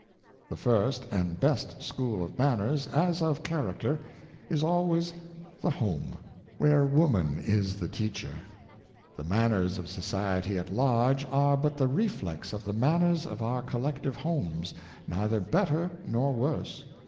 The first and best school of manners, as of charac ter, is always the Home, where woman is the teacher. The manners of society at large are but the reflex of the manners of our collective homes, neither better nor worse.